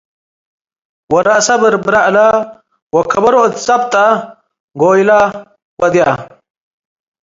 ወረአሰ በርብረ እለ ወከበሮ እት ዘብጠ ጎይለ ወድየ ።